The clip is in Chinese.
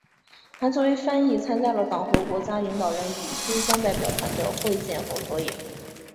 还作为翻译参加了党和国家领导人与新疆代表团的会见和合影。